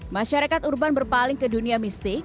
masyarakat urban berpaling ke dunia mistik